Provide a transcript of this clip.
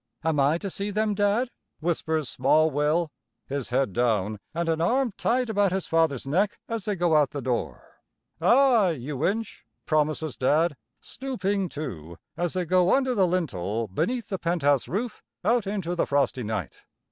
"Am I to see them, Dad?" whispers small Will, his head down and an arm tight about his father's neck as they go out the door. "Ay, you inch," promises Dad, stooping, too, as they go under the lintel beneath the penthouse roof, out into the frosty night.